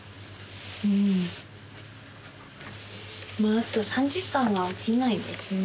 あと３時間は起きないですね。